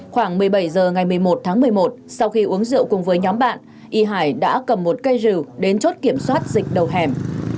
khoảng một mươi bảy h ngày một mươi một tháng một mươi một sau khi uống rượu cùng với nhóm bạn y hải đã cầm một cây rừng đến chốt kiểm soát dịch đầu hẻm